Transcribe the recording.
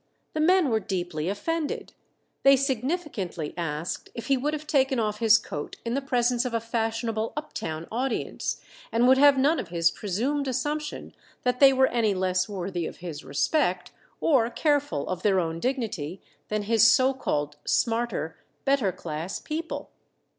The men were deeply offended. They significantly asked if he would have taken off his coat in the presence of a fashionable uptown audience, and would have none of his presumed assumption that they were any less worthy of his respect, or careful of their own dignity, than his so called smarter, better class people.